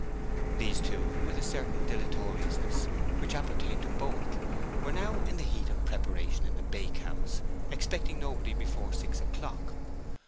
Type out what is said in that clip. These two, with a certain dilatoriousness which appertained to both, were now in the heat of preparation in the bake house, expecting nobody before six o'clock.